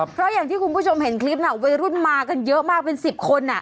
เพราะอย่างที่คุณผู้ชมเห็นคลิปน่ะวัยรุ่นมากันเยอะมากเป็น๑๐คน